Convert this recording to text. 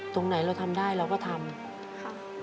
ตรงไหนเราทำได้เราก็ทำค่ะ